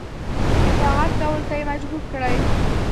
اطاعت کولو ته یې مجبور کړي.